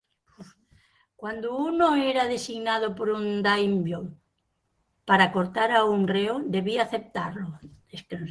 Cuando uno era designado por un daimyo para cortar a un reo, debía aceptarlo.